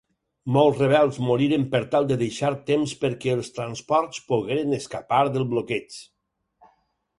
Molts rebels moriren per tal de deixar temps perquè els transports pogueren escapar del bloqueig.